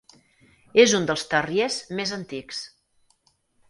És un dels terriers més antics.